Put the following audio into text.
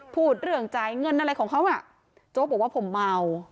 พูดเรื่องจ่ายเงินอะไรของเขาอ่ะโจ๊กบอกว่าผมเมา